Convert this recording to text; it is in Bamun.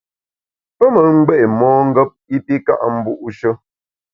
Pe me ngbé’ mongep i pi ka’ mbu’she.